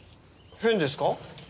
変ですか？